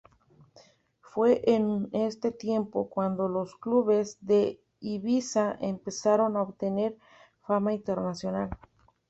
Fue en este tiempo cuando los clubes de Ibiza empezaron a obtener fama internacional.